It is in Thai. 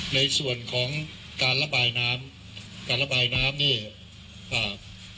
ในส่วนของการระบายน้ำการระบายน้ำนี่อ่า